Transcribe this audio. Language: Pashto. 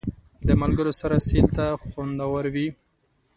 د ملګرو سره سیل تل خوندور وي.